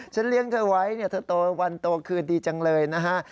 ฉันเลี้ยงเธอไว้เนี่ยเธอโตวันโตคืนดีจังเลยนะฮะ